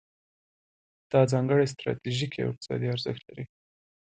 دا ځانګړی ستراتیژیکي او اقتصادي ارزښت لري.